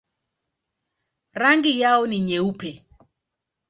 Rangi yao ni nyeupe.